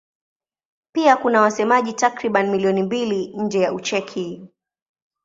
Pia kuna wasemaji takriban milioni mbili nje ya Ucheki.